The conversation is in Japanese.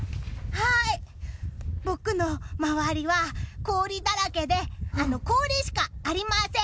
僕の周りは氷だらけで氷しかありません。